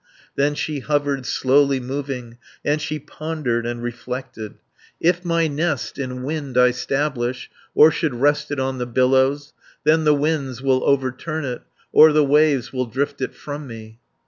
Then she hovered, slowly moving, And she pondered and reflected, 190 "If my nest in wind I 'stablish Or should rest it on the billows, Then the winds will overturn it, Or the waves will drift it from me."